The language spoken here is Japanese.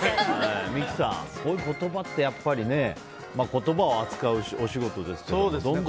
三木さん、こういう言葉って言葉を扱うお仕事ですがどんどん。